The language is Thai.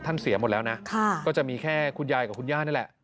เสียหมดแล้วนะก็จะมีแค่คุณยายกับคุณย่านี่แหละ